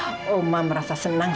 maka dia akan menjelaskan kebenarannya